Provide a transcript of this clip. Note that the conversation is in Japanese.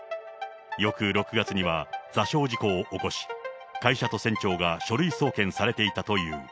翌６月には座礁事故を起こし、会社と船長が書類送検されていたという。